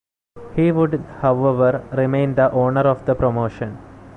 He would, however, remain the owner of the promotion.